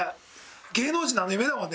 芸能人の夢だもんね。